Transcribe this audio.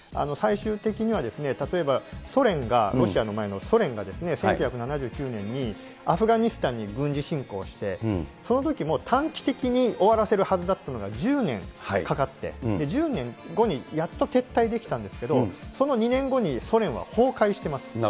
最終的には例えば、ソ連が、ロシアの前のソ連が１９７９年に、アフガニスタンに軍事侵攻して、そのときも短期的に終わらせるはずだったのが、１０年かかって、１０年後にやっと撤退できたんですけど、その２年後にソ連は崩壊してます。